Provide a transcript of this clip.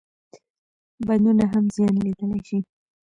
بندونه هم زیان لیدلای شي.